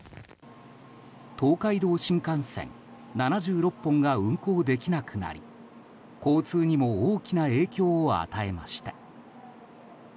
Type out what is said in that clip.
東海道新幹線７６本が運行できなくなり交通にも大きな影響を与えました。